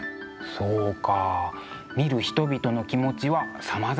そうか見る人々の気持ちはさまざまですものね。